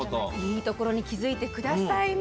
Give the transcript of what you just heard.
いいところに気付いて下さいました。